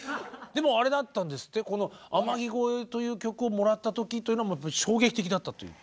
でもあれだったんですってこの「天城越え」という曲をもらった時というのはもう衝撃的だったという。